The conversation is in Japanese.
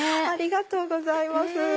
ありがとうございます。